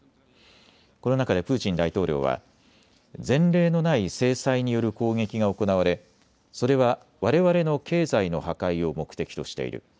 この中でプーチン大統領は前例のない制裁による攻撃が行われ、それはわれわれの経済の破壊を目的としている。